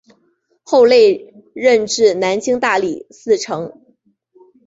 后累任至南京大理寺丞。